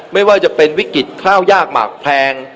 ไม่ว่าจะเป็นวิกฤตข้าวยากหมากแพง